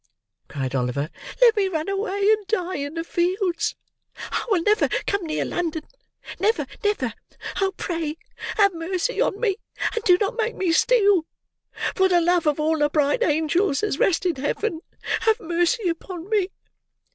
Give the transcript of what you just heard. cried Oliver; "let me run away and die in the fields. I will never come near London; never, never! Oh! pray have mercy on me, and do not make me steal. For the love of all the bright Angels that rest in Heaven, have mercy upon me!"